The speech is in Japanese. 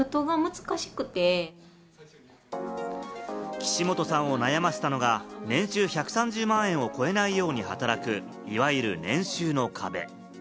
岸本さんを悩ませたのが年収１３０万円を超えないように働く、いわゆる年収の壁。